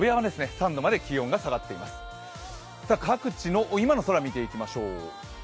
各地の今の空を見ていきましょう。